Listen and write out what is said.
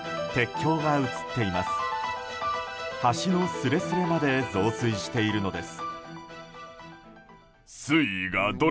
橋のすれすれまで増水しているのです。